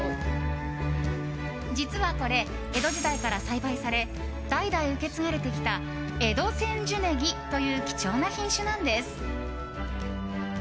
実はこれ、江戸時代から栽培され代々受け継がれてきた江戸千住葱という貴重な品種なんです。